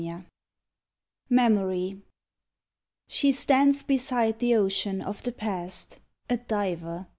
27 MEMORY She stands beside the ocean of the Past, A diver.